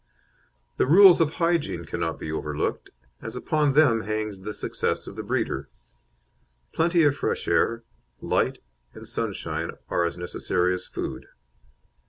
The rules of hygiene cannot be overlooked, as upon them hangs the success of the breeder; plenty of fresh air, light, and sunshine are as necessary as food.